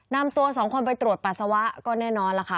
นำตัวสองคนไปตรวจปัสสาวะก็แน่นอนล่ะค่ะ